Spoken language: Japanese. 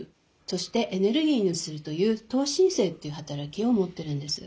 そしてエネルギーにするという糖新生という働きを持ってるんです。